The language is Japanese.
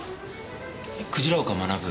鯨岡学。